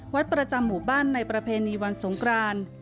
วัดประจำหมู่บ้านในประเพณีวันสงคราน